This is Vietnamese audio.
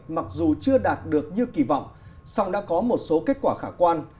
mặc dù chưa đạt được như kỳ vọng song đã có một số kết quả khả quan